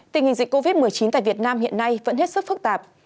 tình hình dịch covid một mươi chín tại việt nam hiện nay vẫn hết sức phức tạp